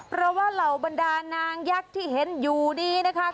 เพราะว่าเหล่าบรรดานางยักษ์ที่เห็นอยู่นี้นะคะ